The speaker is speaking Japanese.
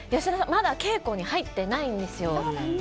まだ稽古に入ってないんですよ。